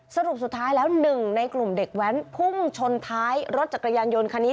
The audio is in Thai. สรุปสุดท้ายแล้วหนึ่งในกลุ่มเด็กแว้นพุ่งชนท้ายรถจักรยานยนต์คันนี้